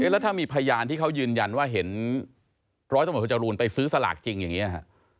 แล้วถ้ามีพยานที่เขายืนยันว่าเห็นร้อยตำรวจโทจรูนไปซื้อสลากจริงอย่างนี้ฮะ